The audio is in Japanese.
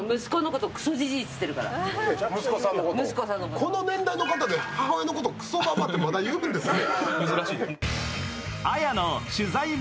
この年代の人で母親のこと、クソババアってまだ呼ぶんですね。